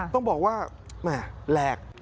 ต้องบอกว่าแหลก